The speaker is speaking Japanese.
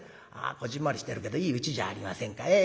「こぢんまりしてるけどいいうちじゃありませんか」。